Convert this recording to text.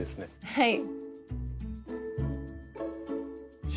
はい。